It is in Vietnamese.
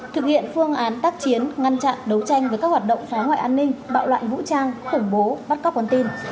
thực hiện phương án tác chiến ngăn chặn đấu tranh với các hoạt động phá hoại an ninh bạo loạn vũ trang khủng bố bắt cóc con tin